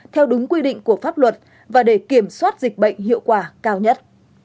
theo đúng quy định của pháp luật và để kiểm soát dịch bệnh hiệu quả cao nhất